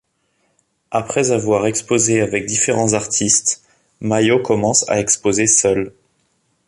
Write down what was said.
Après avoir exposé avec différents artistes, Mayo commence à exposer seul.